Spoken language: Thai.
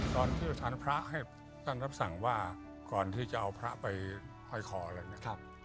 ตอนที่สารพระให้ท่านรับสั่งว่าก่อนที่จะเอาพระไปห้อยคออะไรเนี่ย